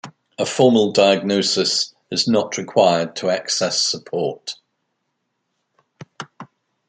A formal diagnosis is not required to access support.